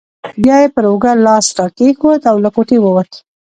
بیا یې پر اوږه لاس راکښېښود او له کوټې ووت.